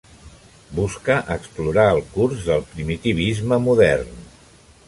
Busca explorar el curs del primitivisme modern.